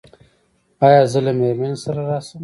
ایا زه له میرمنې سره راشم؟